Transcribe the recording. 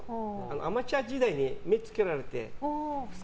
アマチュア時代に目をつけられて。